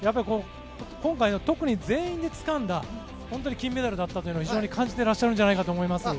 今回特に全員でつかんだ金メダルだったと非常に感じていらっしゃるんじゃないかと思います。